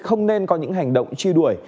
không nên có những hành động truy đuổi